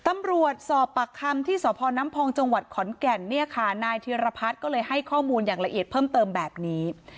ตำรวจสอบปากคำที่สนพจขอนแก่นนายธีรพัฒน์ก็เลยให้ข้อมูลอย่างละเอียดเพิ่มเติมแบบนี้